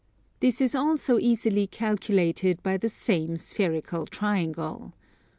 This is also easily calculated by the same spherical triangle.